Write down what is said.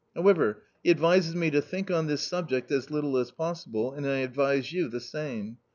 However, he advises me to think on this subject as little as possible and I advise you the same.